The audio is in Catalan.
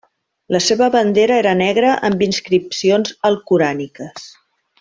La seva bandera era negra amb inscripcions alcoràniques.